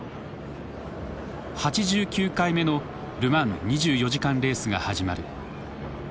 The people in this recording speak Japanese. ８９回目のル・マン２４時間レースが始まる。